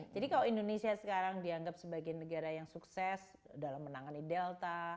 jadi kalau indonesia sekarang dianggap sebagai negara yang sukses dalam menangani delta